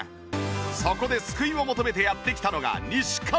そこで救いを求めてやって来たのが西川。